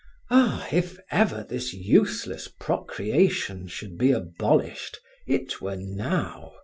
Ah! if ever this useless procreation should be abolished, it were now.